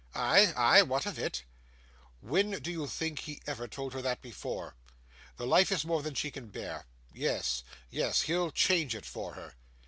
'Ay, ay. What of it?' 'When do you think he ever told her that before? The life is more than she can bear. Yes, yes. He'll change it for her.